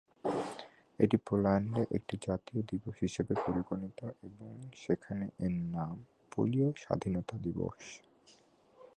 এটি পোল্যান্ডে একটি জাতীয় দিবস হিসেবে পরিগণিত এবং সেখানে এর নাম পোলীয় স্বাধীনতা দিবস।